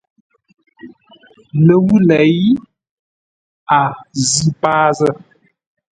Ləwʉ̂ lei, a zʉ̂ paa zə̂.